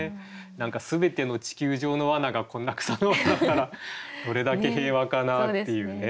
何か全ての地球上の罠がこんな草の罠だったらどれだけ平和かなっていうね。